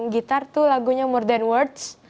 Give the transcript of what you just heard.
gitar tuh lagunya more than words